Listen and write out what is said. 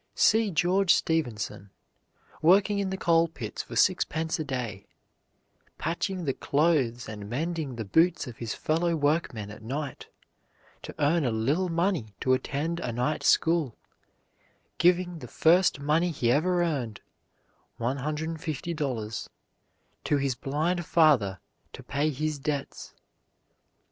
See George Stephenson, working in the coal pits for sixpence a day, patching the clothes and mending the boots of his fellow workmen at night, to earn a little money to attend a night school, giving the first money he ever earned, $150, to his blind father to pay his debts.